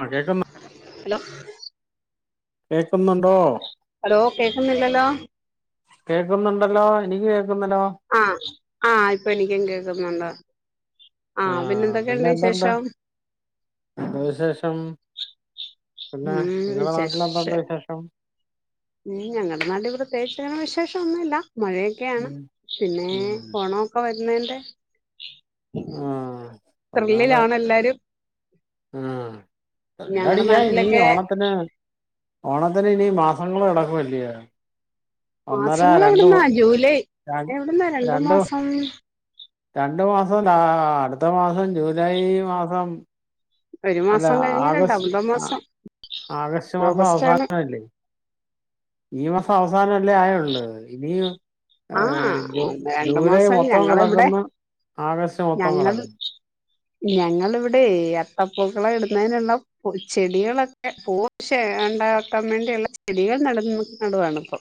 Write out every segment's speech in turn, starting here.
ആ കേക്കുന്നു ഹലോ കേക്കുന്നുണ്ടോ ഹലോ കേക്കുന്നില്ലല്ലോ കേക്കുന്നുണ്ടല്ലോ എനിക്ക് കേ ആ ആ ഇപ്പൊ എനിക്കും കേക്കുന്നുണ്ട് ആ ആഹ് അ എന്തൊക്കെയുണ്ട് പിന്നെ എന്തുണ്ട് വിശേഷം എന്താ വിശേഷം പിന്നെ ഉം നിങ്ങളെ നാട്ടിലെന്തുണ്ട് വിശേഷം മ്മ് ഞങ്ങടെ നാട്ടിൽ പ്രത്യേകിചങ്ങനെ വിശേഷൊന്നുവില്ല മഴയൊക്കെയാണ് ഉം പിന്നെ ഉം ഓണൊക്കെ വരുന്നേന്റെ ആ ത്രില്ലിലാണെല്ലാരും ആ ത്രില്ലടിക്കാൻ ഇനീം നാട്ടിലൊക്കെ ഓണത്തിന് ഓണത്തിന് ഇനീ മാ മാസങ്ങള് കടക്കുവല്ലിയോ മാസങ്ങൾ എവിടുന്നാ ജൂലൈ എവിടുന്നാ രണ്ടു മാസം രണ്ടു മാസം ലാ അടുത്ത മാസം ജൂലൈ മാസം ഒരു അല്ല മാസം കഴിഞ്ഞ് ആഗസ്റ്റ് രണ്ടാമത്തെ മാസം ആഗസ്റ്റ് മാസം ഓഗസ്റ്റ് ആണ് അവസാനവല്ലേ ഈ മാസം അവസാനല്ലേ ആയൊള്ള് ഇനിയും ഏ ആഹ് ജൂ രണ്ട് ജൂലൈ മാസം മൊത്തം ഞങ്ങളിവിടെ കെടക്ക്ന്ന് ആഗസ്റ്റ് മൊത്തം ഞങ്ങൾ കിടക്ക്ന്ന് ഞങ്ങളിവിടെ അത്തപ്പൂക്കളം ഇടുന്നതിനുള്ള ചെടികളൊക്കെ പൂ വൊകെ ഷേ ഉണ്ടാക്കാൻ വേണ്ടിയുള്ള ചെടികൾ നടന്ന് നടുവാണ്പ്പൊ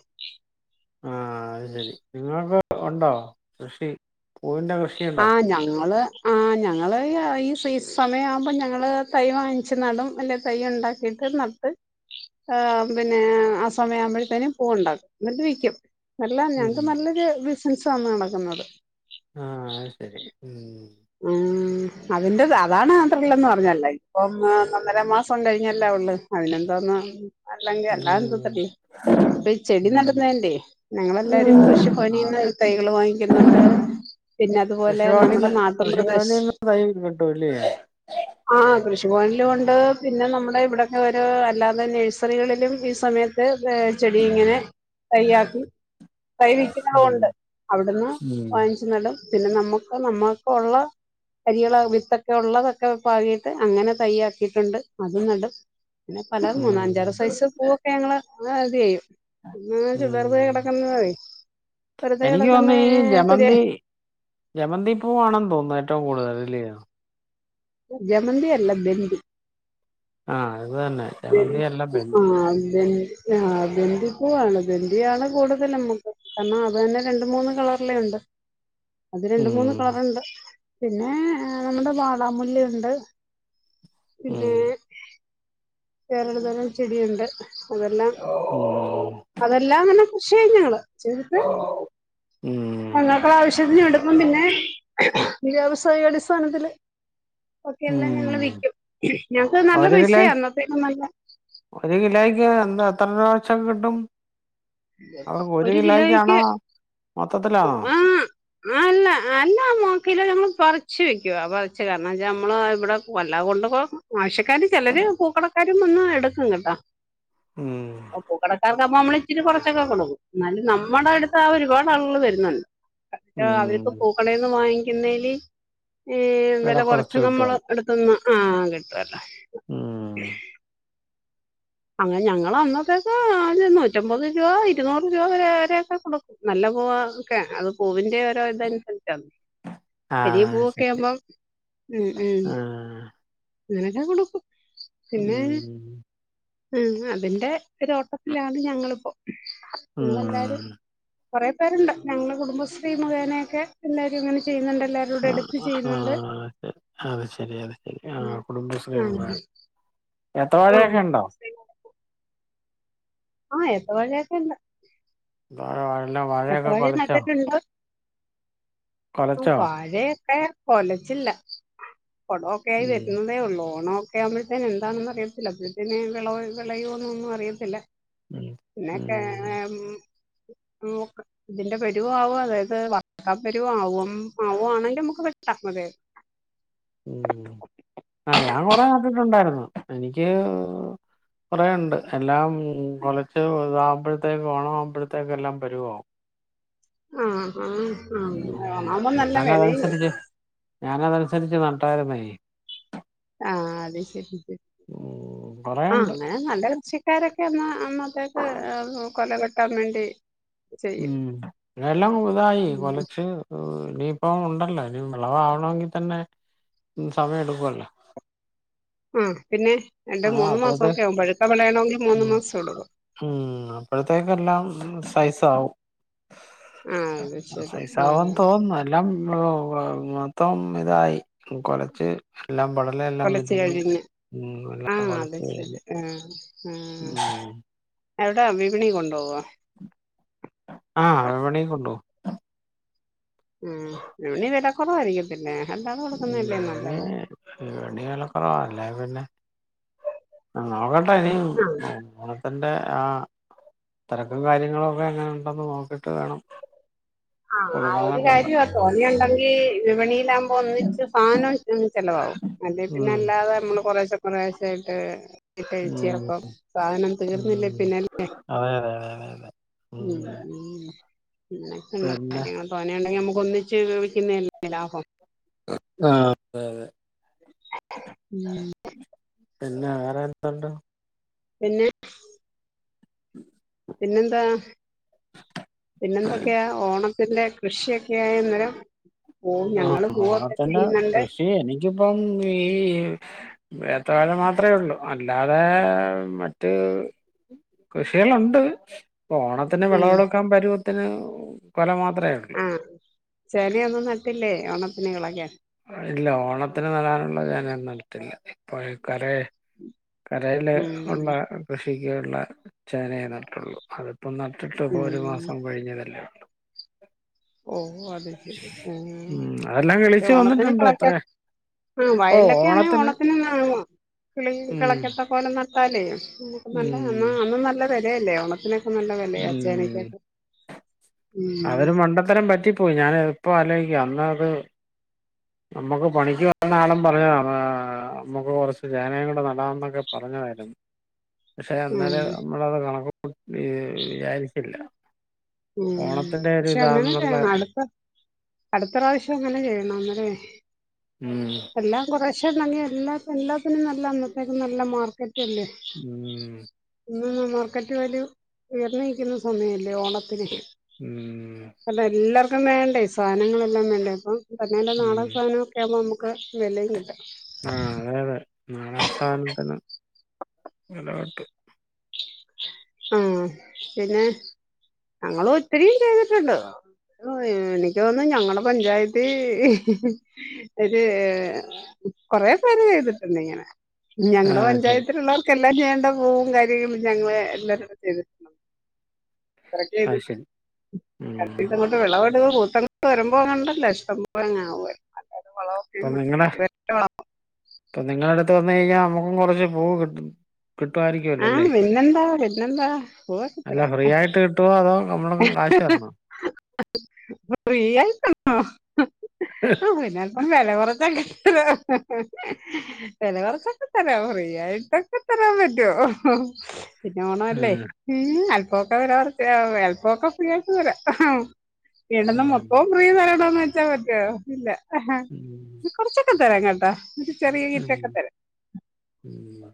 ആ അത് ശരി നിങ്ങൾക്ക് ഒണ്ടോ കൃഷി പൂവിന്റെ കൃഷിയുണ്ടോ ആ ഞങ്ങള് ആ ഞങ്ങ് ഈ സീസ് സമയാകുമ്പ ഞങ്ങള് തൈ വാങ്ങിച്ച് നടും അല്ലെങ്കി തൈ ഇണ്ടാക്കീട്ട് നട്ട് ആ പിന്നെ ആ സമയം ആവുമ്പോഴ്ത്തേനും പൂവ്ണ്ടാക്കും എന്നിട്ട് വിക്യും അല്ല ഉം ഞങ്ങ്ക്ക് നല്ലൊരു ബിസിനസ്സാ നടക്കുന്നത് ആ ശെരി ഉം ഉം [inaudible] അതിന്റെ അതാണ് ആ ത്രില്ലെന്ന് പറഞ്ഞാല്ലേ ഇപ്പം ഏ ഒന്നര മാസം കഴിഞ്ഞല്ലേ ഒള്ളു ഐനെന്താന്നാ അല്ലങ്കി അല്ല ഉം [unintelligible] ഈ ചെടി ഉം നടുന്നേന്റെ ഞങ്ങളെല്ലാരും കൃഷി പണിണ ആഹ് തൈകള് വാങ്ങിക്കുന്നേ പ്പോ പിന്നെ അതുപോലെ നമ്മ്ടെ നാട്ട കൃഷി ഭവനിന്ന് തൈ കിട്ടൂ ല്ലേ കൃഷിഭവനിലുണ്ട് പിന്നെ നമ്മുടെ ഇവിടൊക്കെ ഒരു അല്ലാതെ നഴ്സറികളിലും ഈ സമയത്ത് ചെടി ഇങ്ങനെ തയ്യാക്കി തൈ ഉം വിക്കുന്നതുണ്ട് അവിട്ന്ന് ഉം വാങ്ങിച്ച് നടും പിന്നെ നമ്മക്ക് നമ്മ ക്കൊള്ള തൈകളോ വിത്തൊക്കെ ഇള്ളതൊക്കെ പാകിട്ട് അങ്ങനെ തയ്യാക്കിട്ട്ണ്ട് അതും നടും പിന്നെ പല മൂന്നാ ഉം അഞ്ചാറ് സൈസ് പൂവൊക്കെ [unintelligible] പിന്നെ ഉം [unintelligible] കിടക്കുന്നായി എനിക്ക് വന്നു ഈ ജമന്തി ജമന്തി പൂവാണ തോന്ന്ന്നു ഏറ്റവും കൂട്തല് ല്ലേ ജമന്തി അല്ല ബണ്ടി ആഹ് ഇത് തന്നെ ജമന്തി അല്ല ബെന്തിപൂ ആ ബന്തി [unintelligible] പൂവാണ് ബെന്ഡിയാണ് കൂടുതലുമ്മക്ക് കാരണം അതന്നെ രണ്ട്, മൂന്ന് കളർല്ണ്ട് അത് രണ്ട്, ഉം മൂന്ന് കളറ്ണ്ട് പിന്നെ നമ്മുടെ വാടാർമല്ലിണ്ട് ഉം പിന്നെ വേറൊരുതരം ചെടിയുണ്ട് അതെല്ലാം അതെല്ലാങ്ങനെ ഉം [unintelligible] ഉം ഞങ്ങൾടെവശ്യത്തിന് എടുക്കും പിന്നെ വ്യാവസായികാടിസ്ഥാനത്തില് ഓക്കെ എല്ലാം ഞങ്ങള് ഉം വിക്കും ഞങ്ങക്ക് നല്ല ഒരു കിലോയ് പൈസയാ അന്നത്തേമെ നല്ല ഒരു കിലോയ്ക്ക് എന്താ എത്ര രൂപച്ചാ കിട്ടും അതൊ ഒരു കിലോയ്ക്കാണോ മൊത്തത്തിലാണോ ആഹ് അല്ല അല്ല നോക്കല് ഞങ്ങള് പറിച്ചു വെക്കുവാ പറച്ച് കാരണം ച്ചാ നമ്മളാവിടെ കൊ കൊണ്ട്പോവും ആവശ്യക്കാര് ചെലര് പൂക്കളക്കാരും വന്ന് എടുക്കും കേട്ടോ ഉം പ്പ നമ്മള് ഇച്ചിരി കൊർച്ചൊക്കെ കൊട്ക്കും. എന്നാലും നമ്മളട്ത്ത് ആ ഒരുപാട് ആളുകള് വെര്ന്ന്ണ്ട് അ ഉം അവര്ക്ക് പൂക്കളേന്ന് വാങ്ങിക്കുന്നേല് ഈ വില വെല കുറച്ച് കൊർച്ച് കിട്ടുവാ നമ്മള് എട്കുന്നാ ആ കിട്ടല്ലോ ഉം അങ്ങനെ ഞങ്ങള് അന്നത്തേക്ക് ഒരു നൂറ്റമ്പത് രൂപ ഇരുന്നൂറ് രൂപരെ വരെക്കെ കൊടുക്കും നല്ല ഒക്കെ അത് പൂവിന്റെ ഓരോ ഇതന്സരിച്ച ചെറിയ ആഹ് ശരി പൂവൊക്കാവുമ്പോ ഉം ഉം ആഹ് അങ്ങനൊക്കാ കൊടുക്കും പിന്നെ ഉം ഉം അതിന്റെ ഒരു ഓട്ടത്തിലാണ് ഞങ്ങളിപ്പോ ഞങ്ങളെല്ലാരും ഉം കുറെേ പേര്ണ്ട് ഞങ്ങളെ കുടുംബശ്രീ മുഖേനൊക്കെ എല്ലാരും അങ്ങനെ ചെയ്യുന്നുണ്ട് എല്ലാരുടെ ആ എടുത്ത് ആ ഹാ ചെയ്യുന്നുണ്ട് അത് ശെരി അത് ശെരി ആഹ് കുടുംബശ്രീ ഉം മുഖേ- [unintelligible] ഏത്ത ആഹ് വാഴയൊക്കെ ഇണ്ടോ ആ ഏത്ത വഴെക്കെണ്ട് ന്താഴ വഴെല്ലാം വാഴയൊക്കെ കൊലച്ചോ ഉം കൊലച്ചോ വാഴയൊക്കെ കൊലച്ചില്ല പൊടമൊക്കെ ആയി ഉം വരുന്നതേ ഒള്ളൂ ഓണ ഒക്കെ ആവുമ്പഴെത്തേന് എന്താണൊന്നും അറിയത്തില്ല അപ്പയത്തേന് വിള വിളയോന്നൊന്നും അറിയത്തില്ല ഉം പിന്നെക്കെ ഉം നോക്ക് ഇതിലെ വെരുവോ ആവോ [unintelligible] ആവോ മ് ‌പോവണെങ്കിൽ മ്മക്ക് വെക്കാ ആ ഞാൻ കൊറെ നേറ്റിട്ടുണ്ടായിരുന്നു എനിക്ക് കൊറെണ്ട് എല്ലാം കൊലച് വൽതാകുമ്പഴത്തേക്ക് ഓണം ആവുമ്പോഴത്തേക് എല്ലാം വരോ പരുവാവും ആ ആ ഞാനതനുസരിച്ച് ഞാനതനുസരിച്ച് നട്ടായിരുന്നേ ആ അത് ശ്രദ്ധിച്ച് ഉം കൊറേ ആ ഉണ്ട് അങ്ങനെ നല്ല കൃഷിക്കാരൊക്കെന്നാ അന്നത്തേക്ക് കൊല വെട്ടാൻ വേണ്ടി ചെയ്യും ഉം എല്ലാം പുതുതായി ഉം കൊലച്ച് ഇനീയിപ്പം ഉണ്ടല്ലോ ഇനി വിളവാവണങ്കിൽ തന്നെ സമയം എടുക്കുവല്ലോ ഹ് പിന്നെ രണ്ട് മൂന്ന് മാസക്കെ ആവും പഴുത്ത വെളയണങ്കിൽ മൂന്ന് ഉം മാസം ടുക്കും സൈസ ആവും ആഹ് അത് ശരി പൈസവും ആഹ് തോന്നുന്നു എല്ലാം [unintelligible] മൊത്തം ഇതായി കൊലച്ച് എല്ലാം വളർല എല്ലാം വിതഞ് ആ അത് ശെരി ആ ആ ഉം. എയ്ടെ വിപണി കൊണ്ടുവോ ആ വിപണി ക്കുണ്ടോ ഉം ഇനി വില കുറവായിരിക്കത്തില്ലെ [unintelligible] ഇനി വെല കുറവാല്ലേ അല്ല പിന്നെ ആ അവ്ടെ നീ ആ തന്റെ ആ തെരക്കും കാര്യങ്ങളും ഒക്കെ എങ്ങനെ ഉണ്ടന്ന് നോകീട്ട് വേണം ആ കുടുംബങ്ങളെ ഒരു കൊണ്ട് കാര്യ തോന്നിയാണ്ടെങ്കി വിപണി ലാവ് ഒന്നിച്ച് സാനം ചിലവാവും അല്ലേ പിന്നെ ഉം അല്ലാതെ മ്മള് കുറെശ കുറെയാശെയിട്ട് ഉം കഴിച്ചേണപ്പം സാധനം തീർന്നില്ലേ ഉം പിന്നല്ലേ അതെ അതെ അതെ അതെ അതെ ഉം [unintelligible] അങ്ങനൊക്ക്ണ്ട് പിന്നെ കാര്യങ്ങൾ പണി ണ്ടങ്കിൽ നമ്മക്ക്ക്ക് ഒന്നിച്ച് വിൽിക്കുന്നല്ലേ ലാഭം ആ അതെ അതെ വ് പിന്നെ വേറെ എന്ത്ണ്ട് പിന്നെ പിന്നെന്താ പിന്നെന്തൊക്കെയാ ഓണം ത്തിന്റെ കൃഷിയൊക്കെയാന്നേരം ആ അതന്നെ കൃഷി എനിക്കിപ്പം ഈ എത്ര മാത്ര ഉള്ളു അല്ലാതെ മറ്റ് കൃഷിയാളുണ്ട് ഓണത്തിന് ഉം വിളവെടുക്കാൻ പരുവത്തിന് കൊല മാത് ആചനിയൊന്നും നട്ടില്ലേ ഓണത്തിനിളക്കാൻ ഇല്ല ഓണത്തിന് നടാനുള്ള ചേനനൊന്നും നട്ടിട്ടില്ല ഇപ്പോ കരെ കരെയില് ഉം ഉള്ളെ ഉള്ള കൃഷി കുട്ടിക്കുള്ള ചേനെ നട്ടിട്ടുള്ളൂ അതിപ്പോം നട്ടിട്ട് ഇപ്പോം ഒരു ഉം മാസം കഴിഞ്ഞതല്ലേ ള്ളൂ ഓ അത് ശെരി ഉം അതെല്ലാം പ്പം കിളിച്ച് ഓണത്തിന് വന്നിട്ടുണ്ട് കളക്ക അത്രേ ആ ഓ വയലൊക്കെ അന്നെ ഓണത്തിന് ഓണത്തിനെന്നെ വോ പിൾ ഉം കിളക്കത്ത പോലെ ന താലേ നല്ല ഉം അന്നും അന്നെ നല്ല വെലല്ലേ ഓണത്തിനൊക്കെ നല്ല വെലയ ആ ഉം ച്ചേനക്കക്കെ [unintelligible] ത്തരം പറ്റിപ്പോയി ഞാൻ ഇപ്പോ ആലോയിക്കാ അന്ന്അത് നമ്മുക്ക് പണിക്ക് പറയ്ണ ആളും പറയാ നമക്ക് കൊറച്ച് ചേനയം കൂടെ നടാന്നൊക്കെ പറഞ്ഞതായിരുന്നു പക്ഷെ ഉം അന്നാലെ നമ്മളത് കണക്കു വിചാരിച്ചില്ല ഓണത്തിന്റെ ഒരു പക്ഷെ അങ്ങനെ ഇതാണെന്നുള്ള ചെയ്യണം അടുത്ത അടുത്ത പ്രാശ്യം അങ്ങനെ ചെയ്യണം അതെ ഉം എല്ലാം കുറശെ ണ്ടെങ്കി എല്ലാ എല്ല പിന്നെ നല്ല അന്നത്തേക്ക് നല്ല മാർക്കറ്റ് അല്ലേ ഉം മാർക്കറ്റ് വാല്യൂ ഉയർന്ന് നിൽക്കുന്ന സമയമല്ലേ ഓണത്തിന് ഉം കാരണം എല്ലാർക്കും വേണ്ടേ സാധനങ്ങളെല്ലാം വേണ്ടേ ഇപ്പം തന്നെല്ല ഉം നാടൻ സാധനമൊക്കെ ആകുമ്പോൾ നമുക്ക് വിലയും കിട്ടും ആ അതെ അതെ നാടൻ സാധനത്തിന് വില കിട്ടും ആ പിന്നെ ഞങ്ങളും ഒത്തിരിയും ചെയ്തിട്ടുണ്ട് എനിക്ക് തോന്നുന്നു ഞങ്ങടെ പഞ്ചായത്തി ഒരു കൊറെ പേര് ചെയ്ത്ട്ട് ഇണ്ട് ഇങ്ങെനെ ആ ഞങ്ങടെ ശരി പഞ്ചായത്തിലുള്ളവർക്കെല്ലാം ചെയ്യെണ്ട പൂവും കാര്യങ്ങളും ഞങ്ങെള് എല്ലാ [unintelligible] ചെയ്തിരുന്നു ആ ശരി ഉം [unintelligible] കൊണ്ട് വെളവെട്ത്തു [unintelligible] വെരുമ്പോ [unintelligible] ഇഷ്ടം പോലെ അങ്ങ് ആവു ആയിരി [unintelligible] അപ്പം നിങ്ങളെ അപ്പം നിങ്ങെടെ ഇപ്പ വന്ന് കഴിഞ്ഞാ നമ്മെക്കും കൊറച്ച് പൂവ് കിട്ടും കിട്ടുമായിരിക്കും ആഹ് അല്ലോലെ? പിന്നെന്താ പിന്നെന്താ പൂവൊക്കെ ഇത്ര അല്ല ഫ്രീ ആയിട്ട് കിട്ടോ അതോ നമ്മെൾ കാശ് തര്ണോ? ഫ്രീ ആയ്ട്ടെന്നോ ആ പിന്നെ അൽപ്പം വെല കൊർ [unintelligible] വെല കൊർച്ചൊക്കെ തരാം ഫ്രീ ആയിട്ടൊക്കെ തെരാൻ പറ്റോ പിന്നെ ഓണം അല്ലേ ഉം, ഉം അൽപ്പവൊക്കെ വെല കൊർച്ച് ഏഹ്. അൽപ്പവൊക്കെ ഫ്രീ ആയിട്ട് തെരാം ഇടെണ ഉം, മൊത്തവും ഫ്രീ തരണോന്ന് വെച്ചാ പറ്റോ ഇല്ല ഉം, കൊറച്ചൊക്കെ തെരാം കേട്ടോ ഒരു ചെറിയ കിറ്റൊക്കെ ഉം,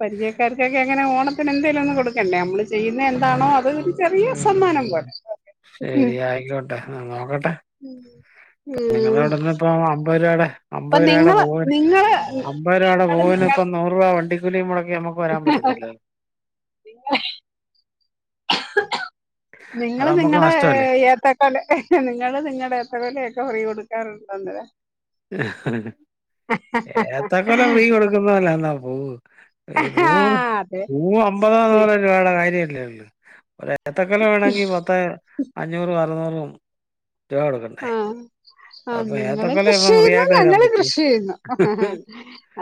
പരിചെയക്കാർക്കൊക്കെ അങ്ങെനെ ഓണത്തിന് എന്തെലും ഒന്ന് കൊട്ക്കെണ്ടെ അമ്മെൾ ചെയ്യ്ന്നെ എന്താണോ അത് ഒര് ചെറിയ സമ്മാനം ഉം. പോലെ ഉം ശരി ആയിക്കോട്ടെ ഇന്നാ നോക്കെട്ടെ നിങ്ങെളെ ഉം അവ്ട്ന്ന് ഇപ്പം മ്പെയ് രൂപയുടെ അപ്പൊ അമ്പെയ് രൂപയുടെ നിങ്ങള് പൂവിന് നിങ്ങള് അമ്പെയ് രൂപയുടെ നിങ്ങള് പൂവിന് നിങ്ങ ഇപ്പം നൂറ് രൂപ വണ്ടി അത് നിങ്ങള് നമ്മുക്ക് നിങ്ങളുടെ നഷ്ടമല്ലേ ഏത്തക്കൊല നിങ്ങ നിങ്ങളുടെ ഏത്തക്കൊല ഇക്ക ഫ്രീ കൊടുക്കാറുണ്ടോ അന്നേരം- ഏത്തക്കൊല ഫ്രീ കൊടുക്കുന്നപോലാന്നോ പൂവ്- ൂ ആ അതെ പൂ അമ്പതാന്ന്ല രൂപയുടെ കാര്യല്ലേള്ള [unintelligible] ഏത്തക്കൊല വേണമെങ്കിൽ പത്ത് അഞ്ഞൂറും അറുന്നൂറും രൂപ ആ കൊടുക്കണ്ടേ- ആ അപ്പൊ നിങ്ങളും ഏത്തക്കൊല കൃഷി ഇപ്പം ഫ്രീ ചെയ്യുന്നു ആയിട്ട് തരാൻ ഞങ്ങളും പറ്റൂ കൃഷി ചെയ്യുന്നു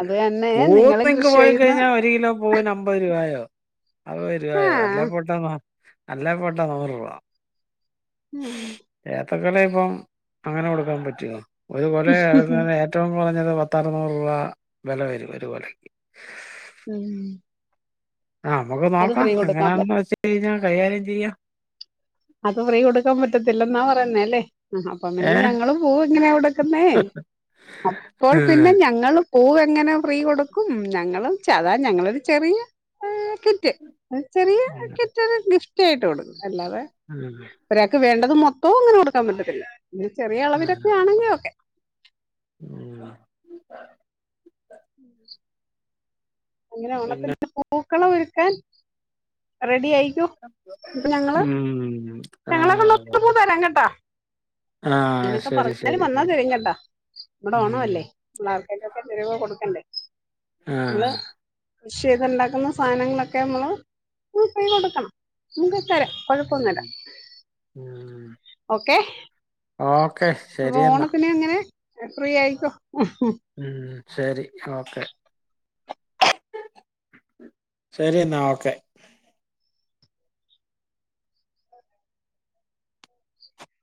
അത് തന്നെയ പൂവ് നിങ്ങ നിങ്ങക്ക് പോയി കഴിഞ്ഞാൽ ഒരു കിലോ പൂവിന് അമ്പത് രൂപയോ- അത് വരുപോ ആ നല്ല പോട്ട ന നല്ല പോട്ട നൂറ് രൂപ [unintelligible] [unintelligible] ഏത്തക്കൊല ഇപ്പം അങ്ങനെ കൊടുക്കാൻ പറ്റുവോ ഒരു കൊല അവസാനം ഏറ്റവും പറഞ്ഞത് പത്തറുന്നൂറ് രൂപ വില വരും ഒരു കൊലക്ക്- ഉം ആ നമുക്ക് അത് നോക്കാം ഫ്രീ കൊടുക്കാൻ പറ്റ എങ്ങനാണെന്ന് വെച്ച് കഴിഞ്ഞാൽ കൈകാര്യം ചെയ്യാം- അത് ഫ്രീ കൊടുക്കാൻ പറ്റത്തില്ലെന്നാ പറയുന്നേ അല്ലേ- ആ അപ്പ പിന്നെ ഏ ഞങ്ങളും പൂ എങ്ങനെയ കൊടുക്കുന്നേ അപ്പോൾ പിന്നെ ഉം. ഞങ്ങളും- പൂവ് എങ്ങനെ ഫ്രീ കൊടുക്കും ഞങ്ങളും ചതാ ഞങ്ങളൊരു ചെറിയ കിറ്റ് ഒരു ചെറിയ കിറ്റിന് ഗിഫ്റ്റ് ആയിട്ട് കൊടുക്കും അല്ലാതെ ഉം. ഒരാൾക്ക് വേണ്ട- അത് മൊത്തവും അങ്ങനെ കൊടുക്കാൻ പറ്റത്തില്ല ഒരു ചെറിയ ഉം. അളവിലൊക്കെ ആണെങ്കിൽ- ഓക്കെ [unintelligible] അങ്ങനെ പിന്നെ ഓണത്തിന് പൂക്കളം ഒരുക്കാൻ റെഡി ആയി- ഉം ആ ആ ആ ഇങ്ങനെക്കെ ശരി പറഞ്ഞാലും ശരി വന്നാ ശരി [unintelligible] മ്മടെ ഓണം ഉം. അല്ലേ പിള്ളേർക്കൊക്കെ പത്തു രൂപ കൊടുക്കണ്ടേ നമ്മള് ആഹ കൃഷി ചെയ്ത് ണ്ടാക്കുന്ന സാധനങ്ങളൊക്കെ നമ്മള് [unintelligible] ഫ്രീ കൊടുക്കണം [unintelligible] തരാ കൊഴപ്പൊന്നല്ല ഉം. ഉം. ഓക്കെ ഓക്കെ അപ്പൊ ശരി എന്നാ ഓണത്തിന് അങ്ങനെ ഫ്രീ ആയിക്കോ [unintelligible] ഉം. ശരി ഓക്കെ ശരി എന്നാ ഓക്കെ